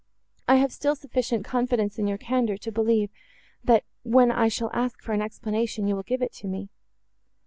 I have still sufficient confidence in your candour, to believe, that, when I shall ask for an explanation, you will give it me."